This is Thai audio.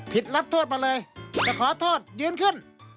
รับโทษมาเลยจะขอโทษยืนขึ้น